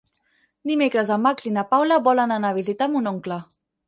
Dimecres en Max i na Paula volen anar a visitar mon oncle.